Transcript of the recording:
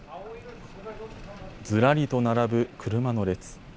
ずらりと並ぶ車の列。